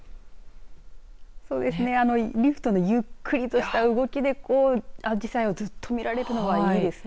リフトのゆっくりとした動きでアジサイをずっと見られるのいいですね。